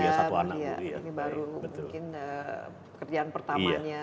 iya pasangan muda yang baru mungkin kerjaan pertamanya